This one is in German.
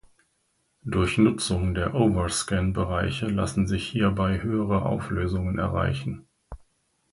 Durch Nutzung der Overscan-Bereiche lassen sich hierbei höhere Auflösungen erreichen.